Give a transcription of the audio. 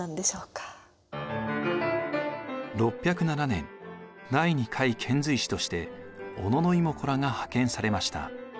６０７年第２回遣隋使として小野妹子らが派遣されました。